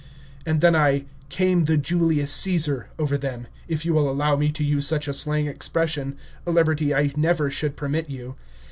And then I "came the Julius Caesar" over them, if you will allow me to use such a slang expression, a liberty I never should permit you.